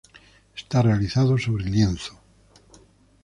Está realizado sobre lienzo.